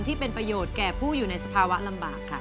ที่เป็นประโยชน์แก่ผู้อยู่ในสภาวะลำบากค่ะ